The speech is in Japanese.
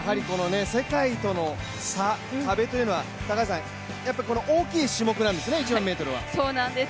世界との差、壁というのは、大きい種目なんですね、１００００ｍは。